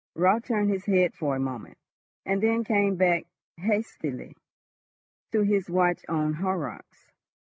Raut turned his head for a moment, and then came back hastily to his watch on Horrocks.